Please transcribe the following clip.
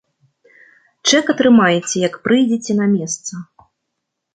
Чэк атрымаеце, як прыйдзеце на месца.